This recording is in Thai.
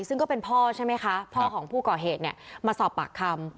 ซึ่งก็เป็นพ่อใช่ไหมคะพ่อของผู้ก่อเหตุเนี่ยมาสอบปากคำ